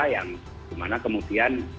yang gimana kemudian